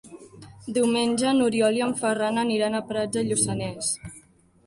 Diumenge n'Oriol i en Ferran aniran a Prats de Lluçanès.